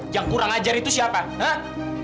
yang kurang ajar itu siapa enggak